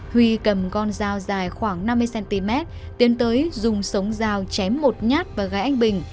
huy cầm con dao dài khoảng năm mươi cm tiến tới dùng sống dao chém một nhát và gái anh bình